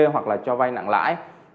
hoặc là cho vay nặng lãi